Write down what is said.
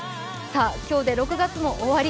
今日で６月も終わり。